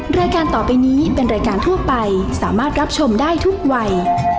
รายการต่อไปนี้เป็นรายการทั่วไปสามารถรับชมได้ทุกวัย